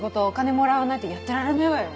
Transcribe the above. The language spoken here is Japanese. もらわないとやってられないわよ。